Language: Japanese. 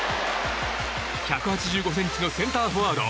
１８５ｃｍのセンターフォワード。